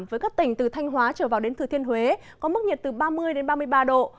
với các tỉnh từ thanh hóa trở vào đến thừa thiên huế có mức nhiệt từ ba mươi ba mươi ba độ